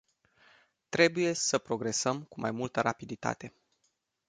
Trebuie să progresăm cu mai multă rapiditate.